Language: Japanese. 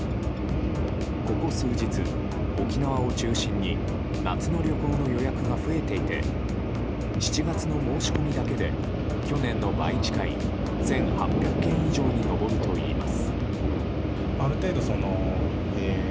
ここ数日、沖縄を中心に夏の旅行の予約が増えていて７月の申し込みだけで去年の倍近い１８００件以上に上るといいます。